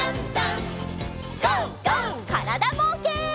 からだぼうけん。